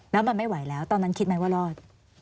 แล้วมันไม่ไหวแล้วตอนนั้นคิดไหมว่ารอด